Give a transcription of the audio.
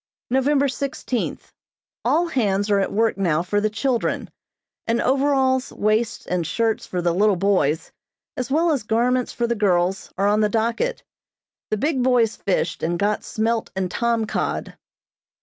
November sixteenth: All hands are at work now for the children, and overalls, waists and shirts for the little boys as well as garments for the girls are on the docket. The big boys fished, and got smelt and tom cod.